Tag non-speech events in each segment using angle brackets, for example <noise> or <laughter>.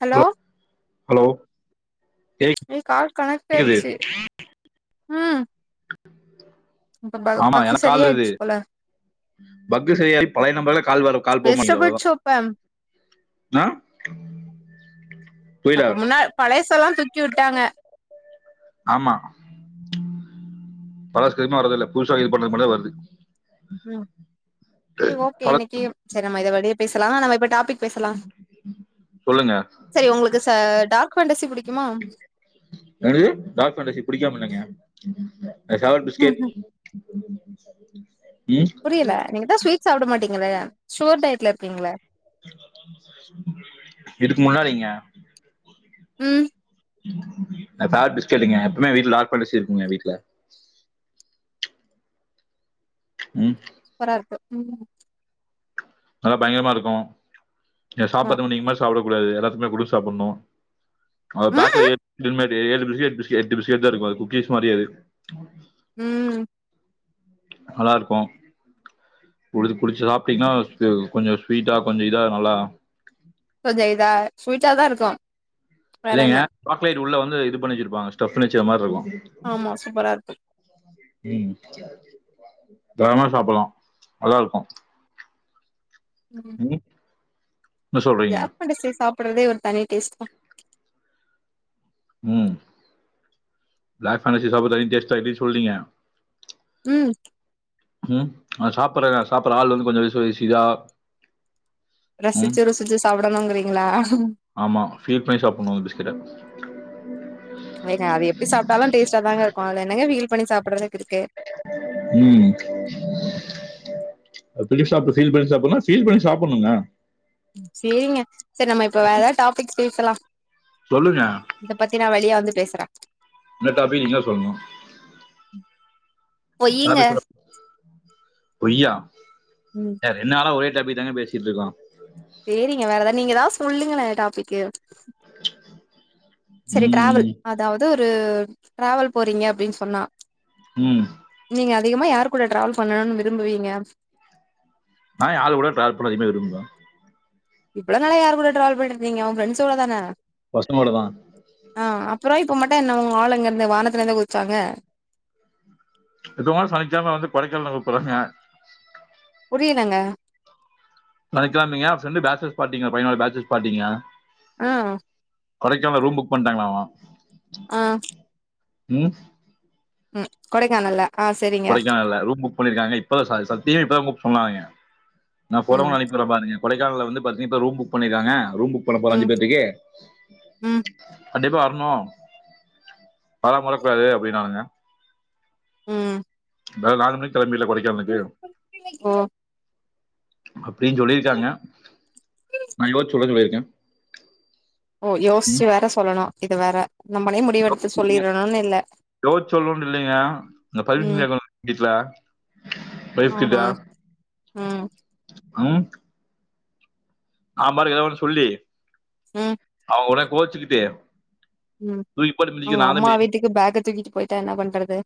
Hello hello ஏ call கேக்குது கனெக்டாயிடுச்சு இப்ப ப ஆமா பக்கு எனக்கு கால் வருது சரியாயிட்ச்சு போல பக்கு சரியாயி பழைய நம்பர்ல கால் வர கால் போ மாட்டிக்குது வெஜிடபிள் அவ்ளதா சோப்ப அ அப்ப முன்னா பழையசுலா தூக்கி வுட்டாங்க ஆமா பழசு எதுமே வர்றதுல்ல புதுசா இது பண்ணது மட்டுந்தா வருது ம் செரி ஓகே பழ இன்னிக்கி செரி நம்ம இத வெளிய பேசலா நம்ம இப்ப டாப்பிக் பேசலா சொல்லுங்க செரி உங்குளுக்கு ச டார்க் ஃபேண்டசி புடிக்குமா என்னது டார்க் ஃபேன்டசி புடிக்காமல்லைங்க மை ஃபேவர்ட் பிஸ்கேட் ம் புரியல நீங்கதா ஸ்வீட் சாப்ட மாட்டீங்களே ஷுகர் டயட்ல இருக்கீங்கல இதுக்கு முன்னாடிங்க ம் மை ஃபேவரேட் பிஸ்கேட்டுங்க எப்பவுமே வீட்ல டார்க் ஃபேன்டசி இருக்குங்க வீட்ல ம் சூப்பரா இருக்கு ம் நல்லா பயங்கரமா இருக்கோ நீங்க ஆமா சாப்புறத்துக் நீங்க மாரி சாப்புட கூடாது எல்லாத்துமே குடுத் சாப்புட்ணோ அது ம் பேக்ல <unintelligible> ஏ ஏ ஏழு பிஸ்கெட் தா இருக்கோ அது குக்கிஸ் மாரி அது ம் நல்லா இருக்கு புடிச்சு புடிச்சு சாப்ட்டீங்கன்னா கொஞ்சோ ஸ்வீட்டா கொஞ்சோ இதா நல்லா கொஞ்சோ இதா ஸ்வீட்டா தா இருக்கு வேற இல்லைங்க என்ன சாக்லேட்உள்ள வந்து இது பண்ணி வச்சிருப்பாங்க ஸ்டஃப்லேச்ச மாரி இருக்கோ ஆமா சூப்பரா இருக்கு ம் தரமா சாப்பட்லா நல்லா இருக்கு ம் என்ன சொல்றீங்க கடைசி சாப்பட்றதே ஒரு தனி டேஸ்டா தா ம் டார்க் பேண்டசி சாப்ப <unintelligible> டேஸ்டா <unintelligible> சொல்றீங்க ம் ம் ஆ சாப்பட்ற சாப்பட்ற ஆள் வந்து கொஞ்சோ விசு வாசிதா ரசிச்சு ருசிச்சு சாப்படனுங்கிறீங்களா ஆமா ஃபீல் பண்ணி சாப்பட்னு அந்த பிஸ்கட்ட ஏங்க அது எப்டி சாப்ட்டாலு டேஸ்டாதாங்க இருக்கு அதுல என்னங்க வீல் பண்ணி சாப்பட்றதுக்கு இருக்கு ம் ஃபீல் சாப் ஃபீல் பண்ணி சாப்பட்னுனா ஃபீல் பண்ணி சாப்பட்னுங்க சேரிங்க சரி நம்ம இப்ப வேற எதாவது டாபிக் பேசலா சொல்லுங்க இத பத்தி நா வெளிய வந்து பேசுற என்ன டாப்பிக் நீங்க தா சொல்லணு பொய்யுங்க டாப்பிக் சொல்ல பொய்யா ம் ரெண் நாளா ஒரே டாப்பிங் தாங்க பேசிட்டு இருக்கோ சேரிங்க வேறெதா நீங்கதா சொல்லுங்களே டாப்பிக்கு சரி டிராவல் ம் அதாவது ஒரு டிராவல் போறீங்க அப்டினு சொன்னா ம் நீங்க அதிகமா யார் கூட ட்ராவல் பண்ணணுனு விரும்புவீங்க நா ஏ ஆளு கூட ட்ராவல் போவ அதிகமா விரும்புவ இவ்ளோனால யார் கூட ட்ராவல் பண்ணிட்ருந்தீங்க உங்க ஃப்ரெண்ஸ் கூட தான பசங்கூடதா ஆ அப்றோ இப்ப மட்டு என்ன உங்க ஆளு எங்கருந்து வானத்துல இருந்தா குதிச்சாங்க இப்பகுன சனிகெழம வந்து கொடைக்கானல் கூப்பறாங்க புரியலங்க சனிக்கெழமைங்க ஃப்ரெண்டு பேச்சஸ் பார்ட்டீங்கா பையனோட பேச்சஸ் பார்ட்டீங்க ஆ கொடைக்கானல ரூம் புக் பண்ட்டாங்களாமா ஆ ம் ம் கொடைக்கானல்ல ஆ சரிங்க கொடைக்கானல ரூம் புக் பண்ணிருக்காங்க இப்பதா சத் சத்திய இப்பதா புக் பண்ணாய்ங்க நா ம் ஃபோட்டோவு அனுப் ப்பறொ பாருங்க கொடைக்கானல வந்து பாத்தீங்க இப்ப ரூம் புக் பண்ணிருக்காங்க ரூம் புக் பண்ண போற ம் அஞ்சு பேத்துக்கு ம் கண்டிப்பா வர்ணு வராம இருக்கூடாது அப்டின்னாங்க ம் இர்ந்தாலு நாலு மணிக்கு கெளம்புவில கொடைக்கானலுக்கு ஓ அப்டின் சொல்லிருக்காங்க நா யோச்சு சொல்றே சொல்லிருக்கே ஓ யோஸ்ச்சு வேற சொல்லணு இது வேற நம்மளை முடிவெடுத்து சொல்லிரணுனு இல்ல யோச்சு சொல்ணுனு இல்லைங்க இந்த பர்மிஷன் ம் கேக்ணு வீட்ல ஒய்ஃப் ஆஹா கிட்ட ம் ம் ந பாட்டுக்கு எதோ ஒன்னு சொல்லி ம் அவுங்க கூடே கோச்சுக்கிட்டு ம் தூக்கி போட்டு மிதிக்க அவுங்க நான் தான் அம்மா மிதி வீட்டுக்கு பேக்க தூக்கிட்டு பொயிட்டா என்ன பண்றது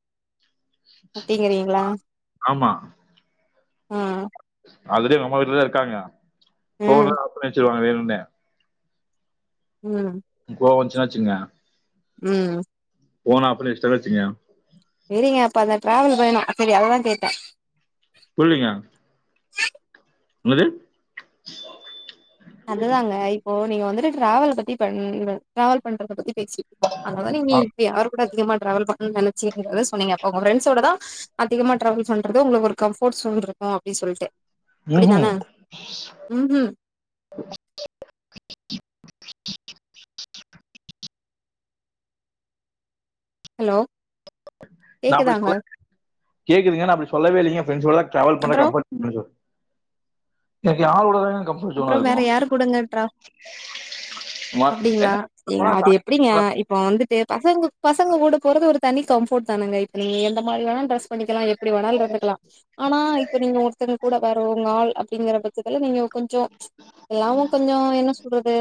அப்டிங்கிறீங்களா ஆமா ம் ஆல்ரெடி அவுங்கம்மா வீட்லதா இருக்காங்க ம் ஃபோன்லா ஆஃப் பண்ணி வச்சுருவாங்க வேணுனே ம் கோவொ வந்ச்சுன்னா வச்சுகங்க ம் ஃபோன ஆப் பட்ணி வச்டேனா வச்சுங்கங்க சேரிங்க அப்ப அந்த டிராவல் வேணு செரி அததா கேட்டே புரிலிங்க என்னது அதுதாங்க இப்போ நீங்க வந்துட்டு டிராவல் பத்தி பண் டிராவல் பண்றத பத்தி பேசிருக்கோ அதுனாலதா நீங்க இப்ப யாரு கூட அதிகமா டிராவல் பண்ணனு நெனச்சிங்கறத சொன்னீங்க ஒங்க ப்ஃரெண்ட்ஸோடதா அதிகமா ட்ராவல் பண்றது உங்களுக்கு ஒரு கம்ஃபர்ட் ஸுன் இருக்கு அப்டி சொல்ட்டு அப்டிதான ம் ம் ம் ஹலோ நா அப்டி கேக்குதாங்க சொல்ல கேக்குதுங்க நா அப்டி சொல்லவே இல்லெங்க எ ஃப்ரெண்ஸோடதா டிராவல் பண்றது அப்றோ கம்ஃபர்ட் <inaudible> எனக்கு யாரோட தாங்க கம் அப்றொ வேற யார் கூடங்க டிரா ம- அப்டிங்ளா என்ன ஏங்க போனா அது சாட்சி எப்டிங்க இப்ப வந்துட்டு பசங்க பசங்க கூட போறது ஒரு தனி கம்ஃபோர்ட் தானங்க இப்ப நீங்க எந்த மாரி வேனா ட்ரெஸ் பண்ணிக்கலா எப்டி வேணாலு இருந்துக்கலா ஆனா இப்ப நீங்க ஒருத்தங்க கூட வேற உங்க ஆள் அப்டிங்குறப் பட்சத்துல நீங்க ஞ்சோ எல்லாமு கொஞ்சோ என்ன சொல்றது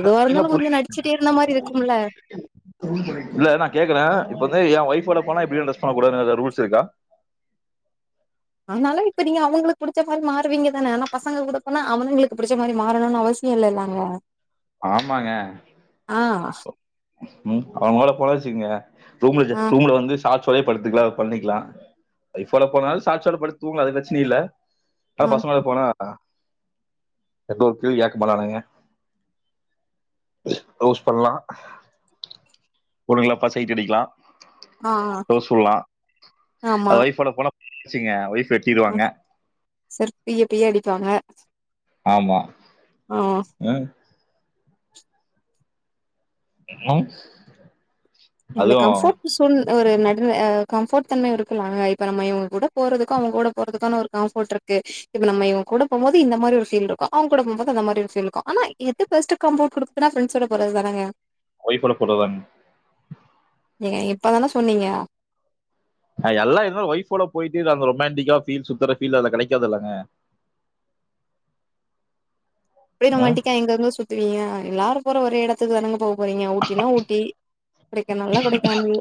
எதுவா இருந்தாலு கொஞ்சோ புரியுது நடிச்சிட்டே இருந்த மாரி இருக்கும்ல இல்ல நா கேக்குறே இப்ப வந்து என் ஒயஃப் ஓட போனா இப்டி ட்ரெஸ் பண்ண கூடாதுன் எதா ரூல்ஸ் இருக்கா ஆனாலு இப்ப நீங்க அவுங்களுக்கு புடுச்ச மாரி மாருவீங்க தானே ஆனா பசங்க கூட போனா அவனுங்களுக்கு புடுச்ச மாரி மாறணும்னு அவசி சியோ இல்லெல்லங்க ஆமாங்க ஆ ம் அவுங்களோட போனா வச்சுகுங்க ரூம்ல ஆ ரூம்ல வந்து சாட்சோடே படுத்துக்லா பண்ணிக்லா ஒய்ஃப் ஓட போனாலு சாட்சோட படுத்து தூங்லா அது பிரச்சன இல்ல ஆனா ஆ பசங்களோட போனா எந்த ஒரு கேள்வி கேக்க மாட்டானுங்க ரோஸ் பண்ணலா பொண்ணுங்கள பாத் சைட் அடிக்கலா ஆ ரோஸ் வுல்லா ஆமா ஒய்ஃபோட போன <unintelligible> ஒய்ஃப் வெட்டிருவாங்க ம் செருப்பு பிய பிய அடிப்பாங்க ஆமா ஆ ம் ம் அந்த அதுவு கம்ஃபட் சூல் ஒரு நடு நில இப்ப கம்ஃபோர்ட் தன்ம இருக்கலாங்க இப்ப நம்ம இவங்க கூடப் போறதுக்கு அவங்க கூட போறதுக்கான ஒரு காம்ஃபோட் இருக் கு இப்ப நம்ம இவங்க கூட போம் போது இந்த மாரி ஒரு ஃபீல் இருக்கு அவங்க கூட போம் போது அந்த மாரி ஒரு ஃபீல் இருக்கு ஆனா எது பெஸ்டு காம்போட் குடுகுதுனா ஃப்ரண்ட்ஸோட போறது தானங்க ஒய்ஃபோடு போறதாங் ஏங்க இப்பதான சொன்னீங்க எல்லா இருந்தாலு ஒய்ஃபோட போயிட்டு அந்த ரொமாண்டிக்கா ஃபீல் சுத்தர ஃபீல் அதுல கெடைக்காதுல்லங்க அப்டியே ம் ரொமண்டிக்கா எங்கங்க சுத்துவீங்க எல்லாரு போற ஒரே எடத்துக்கு தானுங்க போக போறீங்க ஊட்டினா ஊட்டி கொடைக்கானல்னா கொடைக்கானல்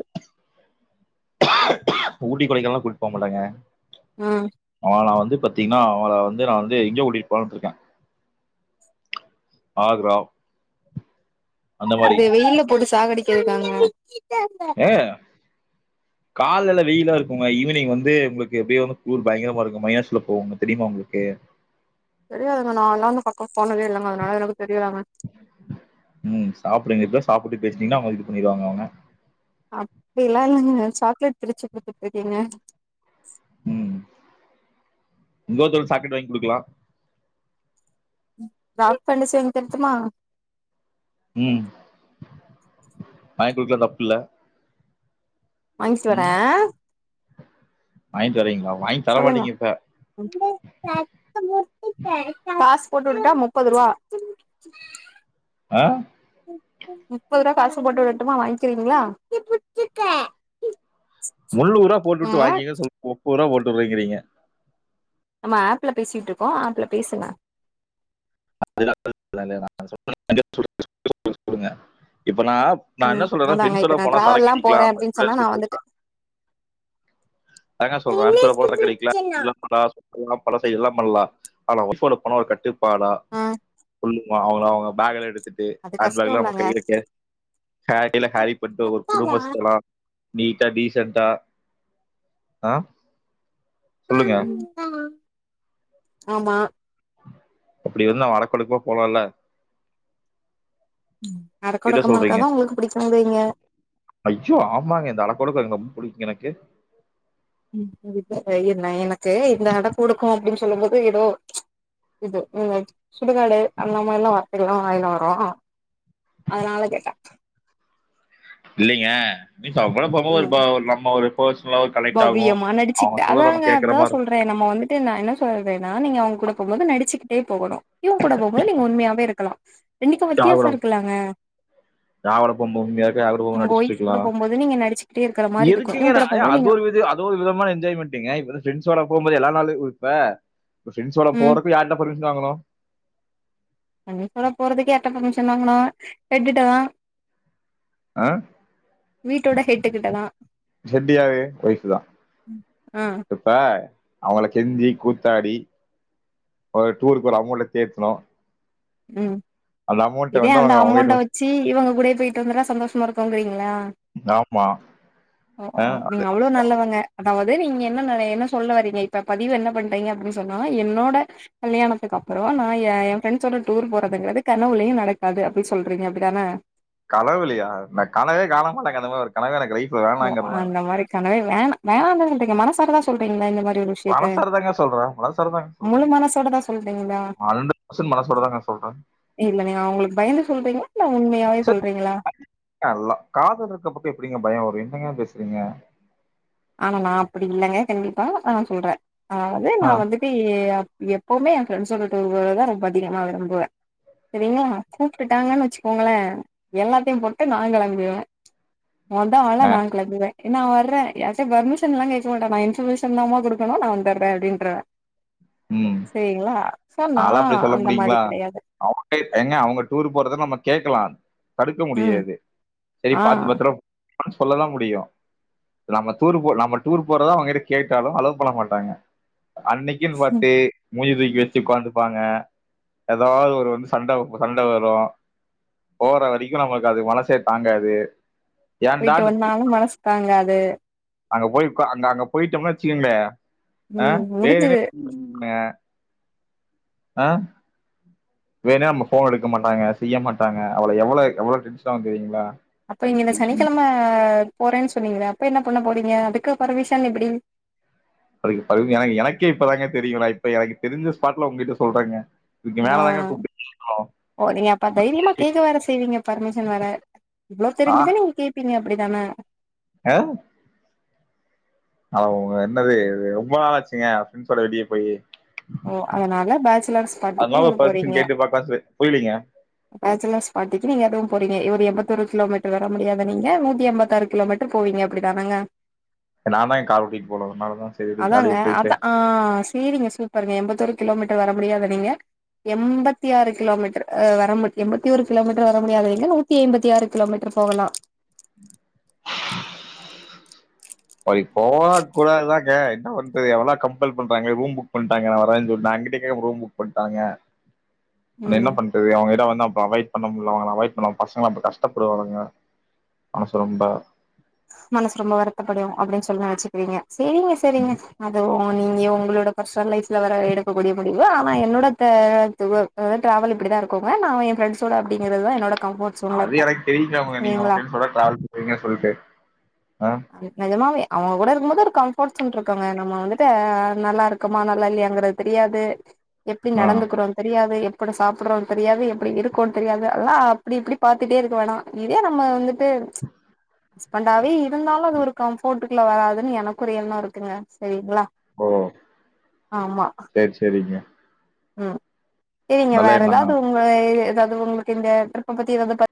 ஊட்டி கொடைக்கானலா கூட்டுபோக மாட்டங்க ம் நா வந்து பாத்தீங்ன்னா அவள வந்து நா வந்து எங்க கூட்டிட் போலன் இருக்க ஆக்ரா அந்த மாரி இது வெயில போட்டு சாகடிக்கிறதுகாங்க ஏ கால்லலா வெயிலா இருக்குங்க ஈவினிங் வந்து உங்களுக்கு எப்டியோ வந்து கூர் பயங்கரமா இருக்கு மைனஸ்ல போவுங்க தெரிமா உங்களுக்கு தெரியாதுங்க நால்லா அந்த பக்க போனதே இல்லங்க அதனால எனக்கு தெரியாதுங்க ம் சாப்டுங்க இப்ப தா சாப்ட்டு பேசுனீங்கனா அவங்க இது பண்ணிருவாங்க அவங்க அப்டிலா இல்லங்க சாக்லேட் பிரிச்சி குடுத்துட்டுருக்கேங்க ம் இங்கோர்தோள் சாக்லேட் வாங்கி குடுக்லா டார்க் ஃபேண்டஸி வாங்கி தரட்டுமா ம் வாங்கி குடுக்கலா தப்பு இல்ல வாங்கிட்டு வர வாங்கிட்டு வரீங்களா வாங்கி சொல்லுங்க தரமாட்டீங்க இப்ப காசு போட்டுவுடட்டா முப்பது ரூவா <inaudible> அ <unintelligible> முப்பரூவா காசு போட்டு விடடுமா வாங்கிக்கிறீங்களா முன்னூரா போட்டு வுட்டு நம்ம வாங்கிக்க சொல் முப்பூரா போட்டுருங்கிறீங்க நம்ம ஆப்ல பேசிட்டு இருக்கோ ஆப்ல பேசுங்க <unintelligible> இப்பனா நா என்ன ம் சொல்றனா அதாங்க ஃபிரண்ஸோட இப்ப நா போனா சரக்கு டிராவல்லா அடிக்கலா போறே அப்டின்னு சொன்னா ஃபிரண்ட்ஸ் நா வந்துட்டு அதாங்க எனக்கு சொல்ற <unintelligible> பிடிச்சனா ம் பழ சைடு எல்லா பண்லா ஆனா வொய்ஃ போன ஒரு கட்டுப்பாடா ஆ ஆமா அவங்கள அவங்க பேக் எல்லா எடுத்துட்டு அது ஹேண்ட் கஷ்டோ பேக்லா நம்ம இல்லங்க கைல கே க்கலா ஹேரி பண்ணிட்டு ஒரு அப்பாவா குடும்பஸ்தனா நீட்டா டீசண்டா அ ஆமா அப்டி வந்தா அடக்கொடுக்மா போலால்ல என்ன அடக்கொடக்கமா சொல்றீங்க? இருக்கதா உங்களுக்கு பிடிச்சா மாரி இருங்க ஐயோ ஆமாங்க இந்த அடக்கொடுக்கு எங்க ரொம் புடிக்குங்க எனக்கு இ என்ன எனக்கு இந்த அடக்கொடுக்கோ அப்படின் சொல்லும் போது எதோ இது நீங்க சுடுகாடு அந்த மாரில்லா எல்லா வாயில வரும் அதனால கேட்ட இல்லைங்க இப்ப அவ கூட போம்மோது ஒரு ம் பா ஒரு நம்ம ஒரு பர்ஸ்னலா ஒரு கனெக்ட் ஆகும் அவங்க சொல்லறது நம் கேக்குற மாரி இருக் இப்ப நம்ம வந்துட்டு நா என்ன சொல்றேன்னா நீங்க அவங்க கூட போம்போது நடிச்சுக்கிட்டே போகணு உன் கூட போம்போது நீங்க உண்மையாவே இருக்கலாம் இன்னைக்கும் வித்தியாசம் இருக்குலங்க நா ஒரு பொம் உண்மையா இருக்க அவரு ஒரு உங்க ஒய்ஃப் நடிச்சுட்ருக்கலா கூட போகும்போது நீங்க நடிச்சுக்கிட்டே இருக்கிற மாரி இருக்கு இவங்க எதுக்குங்கன்னா கூட ஏ போகும்போது அது நீங்க ஒரு விது இது ஒரு விதமான என்ஜாய்மெண்ட்டுங்க இப்ப வந்து ஃப்ரெண்ட்ஸ்ஷோட போம்போது எல்லா நாளு இப்ப ஃப்ரெண்ட்ஸ்ஷோட ம் போறத் இது யார்ட்ட பர்மிஷன் வாங்கனோ தண்ணி போட போறதுக்கு யார்ட்ட பர்மிஷன் வாங்கனோ என் கிட்ட தா ஆ வீட்டோட ஹெட்டு கிட்டதா ஹெட்டு யாரு ஒய்ஃப்பு தா ஆ இப்ப அவங்கள கெஞ்சி கூத்தாடி ஒரு டூருக்கு ஒரு அமவ்ண்ட்ட தேத்தனு ம் இதே வந்து அந்த அவங்க அமவ்ண்ட்ட அவங்ககிட்ட வச் சி இவங்க கூடயே போயிட்டு வந்துட்டா சந்தோஷமா இருக்கும்ங்கிறீங்களா ஆமா ஆ அது அவ்ளோ நல்லவங்க அதாவ்து நீங்க என்னென்ன என்ன சொல்ல வரீங்க இப்ப பதிவு என்ன பண்றீங்க அப்டின் சொன்னா என்னோட கல்யாணத்துக்கு அப்புறோ நா என் என் ஃப்ரெண்ட்ஸ்ஷோட டூர் போறதுங்கறது கனவுலையும் நடக்காது அப்டி சொல்றீங்க அப்டித்தான கனவுலயா நா கனவே காண மாட்டேங்க அந்த மார் கனவே எனக்கு லைஃப்பு வே ஓ அந்த மாரி கனவே வேண் வேணாந்தாங் சொல்றீங்க மனசாரதா சொல்றீங்ளா இந்த மாரி விஷயத்த மனசார தாங்க சொல்றே மனசார தாங்க சொல்ற தா சொல்றீங்ளா ஹண்ட்ரட் பெர்சன் மனசோட தாங்க சொல்ற இல்லங்க அவங்களுக்கு பயந்து சொல்றீங்களா இல்ல உண்மையாவே சொல்றீங்களா அல்ல காதல் இருக்க பக்கோ எப்படிங்க பயம் வரும் என்னங்க பேசுறீங்க ஆனா நா அப்படி இல்லைங்க கண்டிப்பா நா சொல்ற அதாவது நா ஆ வந்து எப்பியமே எப்பவுமே என் ஃப்ரெண்ட்ஸ்ஷோட <unintelligible> தா ரொம்ப அதிகமா விரும்புவ சரிங்களா கூப்ட்டுட்டாங்கன் வச்சுக்கோங்களே எல்லாத்தையும் போட்டு நா இங்க வந்துடுவ வந்ட்டாங்கன்னா ஆ நா கெளம்பிர்வ நா வர்றே யார்ட்டயும் பர்மிஷன் எல்லா கேக்க மாட்ட நா இன்ஃபர்மேஷன்தா மா குடுக்குனோ நா வந்துட்ற அப்படின்றதன் ம் சேரிங்ளா சோ நா நாலா அப்டி சொல்ல அந்த மாரி முடியுங்களா கெடயாது அவங்க ஏங்க அவங்க டூர் போறத நம்ம கேக்கலா தடுக்க ம் முடியாது சரி ஆ பாத்து பத்ரோ அப்டி சொல்ல தா முடியும் நம்ம டூர் போ நம்ம டூர் போறதா அவங்கிட்ட கேட்டாலும் அலோவ் பண்ண மாட்டாங்க அன்னைக்கின் ட்டு மூஞ்ச தூக்கி வெச்சு ஒக்காந்துப்பாங்க எதாவ் ஒரு வந்து சண்ட சண்ட வரும் போற வரைக்கும் நம்மள்க்கு அது மனசே தாங்காது ஏன்டா போய்ட்டு அந்த வந்தாலும் மனசு தாங்காது அங்க போயி அங்க அங்க போயிட்டோம்னு வச்சுக்கங்களே ஆ ம் வேற முடிஞ்சது என்ன அ அ வேணம் நம்ம ஃபோன் எடுக்க மாட்டாங்க செய்ய மாட்டாங்க அவ்ளோ எவ்வளோ எவ்ளோ டென்ஷனாவு தெரியுங்களா அப்ப இங்க இந்த சனிக்கெழம போறேன்னு சொன்னீங்கிறே அப்ப என்ன பண்ண போறீங்க அதுக்கு பர்மிஷன் எப்புடி பர் பர்மி எனக்கு எனக்கே இப்பதாங்க தெரியும் நா இப்ப எனக்கு தெரிஞ்ச ஸ்பாட்ல உங்ககிட்ட சொல்றேங்க நீங்க ஆ வேறதாங்க கூப்ட்றுக்கீங்ளோ ஓ நீங்க அப்ப தைரியமா கேட்க வேற செய்வீங்க பர்மிஷன் வேற இவ்ளோ தெரிஞ்சுமே நீங்க கே ப்பிங்க அப்டிதான அ ஆ உங்க என்னது ரொம்ப நாாளாச்சுங்க ஃப்ரெண்ட்ஸோட வெளியே போயி ஓ அதனால பேச்சுலர்ஸ் பாட்டிக்கு அதனால நீங்க பர்மிஷன் போறீங்க கேட்டு பாக்கலாம் சொல்லி புரியலீங்க பேச்சலர்ஸ் பாட்டிக்கு நீங்க அதுவு போறீங்க ஒரு எப்போத்தோரு கிலோமீட்டர் வர முடியாத நீங்க நூத்தி எம்பத்தாறு கிலோமீட்டர் போவீங்க அப்டி தானாங்க நான் தான் என் கார் ஓட்டிட்டு போல அதனாலதான் சரி அதாங்க ஜாலியா போயிட்டு அதா ஆ சரிங்க சு ப்பருங்க எம்பத்தோரு கிலோமீட்டர் வர முடியாத நீங்க எம்பத்தி ஆறு கிலோமீட்டர் அ வர எம்பத்தி ஒரு கிலோமீட்டர் வர முடியாதீங்க நூத் தி எம்பத்தி ஆறு கிலோமீட்டர் போகலா அ இப் போக கூடாதாங்க என்ன பண்ணறது எவ்வளா கம்பல் பண்றாங்க ரூம் புக் பண்ணிட்டாங்க நா வரேன்னு சொன்னா நா இங்கிட் டே ரூம் புக் பண்ட்டாங்க நம்ம என்ன ம் பண்றது அவங்ககிட வந்து அப்பற அவாய்ட் பண்ண முடியல அவங்கள அவாய்ட் பண்ண பசங்கள அப்பற கஷ்டப்படுவாங்க மனசு ரொம்ப மனசு ரொம்ப வருத்தப்படும் அப்டின்னு சொல்லி நெனச்சுக்கிறீங்க சரிங்க சரிங்க அதுவும் நீங்க உங்களோட பெர்ஷ்னல் லைஃப்ல வேற எடுக்கக்கூடிய முடிவு ஆனா என்னோட த அதாவது ட்ராவல் இப்டி தா இருக்குங்க நா எ ஃப்ரென்ஸோட அப்டிங்கிறதுதா என்னோட கம்ஃபோர்ட் சூனா இருக்கு சரிங்களா இப்பதா கால் வைங்க சொல்ட்டு ஆ நெஜமாவே அவுஉங்க கூட இருக்கும் போது ஒரு கம்ஃபோர்ட் சுன் இருக்குங்க நம்ம வந்துட்டு அ நல்ல இருக்குமா நல்லா இல்லையாங்கறது தெரியாது எப்டி ஆ நடந்துக்குறோ தெரியாது எ எப்டி சாப்புட்றோம்னு தெரியாது எப்டி இருக்குன்னு தெரியாது அதல்லா அப்டி இப்டி ப பாத்துட்டே இருக்க வேணா இதே நம்ம வந்துட் டு ஹஸ்பண்டாவே இருந்தாலு அது ஒரு கம்ஃபோட்டுக்குல வராதுன்னு எனக்கு ஒரு எண்ண இருக்குங்க சரிங்ளா ஓ சரி சரிங்க ம் சரிங்க நல்ல வேற எண்ணம் எதாவது தானே உங்க எதாவது உங்களுக்கு இந்த ட்ரிப்ப பத்தி எதாவது